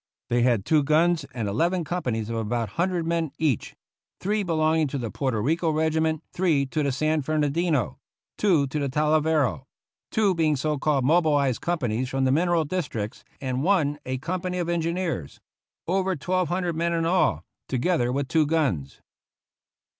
They had two guns, and eleven companies of about a hun dred men each: three belonging to the Porto Rico regiment, three to the San Fernandino, two to the Talavero, two being so called mobilized companies from the mineral districts, and one a company of engineers; over twelve hundred men in all, together with two guns.